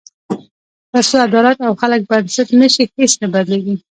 تر څو عدالت او خلک بنسټ نه شي، هیڅ نه بدلېږي.